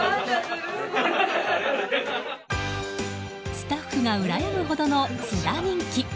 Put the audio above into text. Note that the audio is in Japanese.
スタッフがうらやむほどの菅田人気。